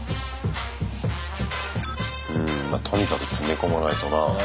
うんとにかく詰め込まないとな。